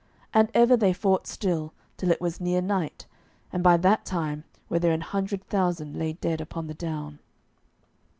And ever they fought still, till it was near night, and by that time were there an hundred thousand laid dead upon the down.